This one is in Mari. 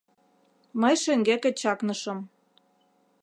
Мый шеҥгеке чакнышым.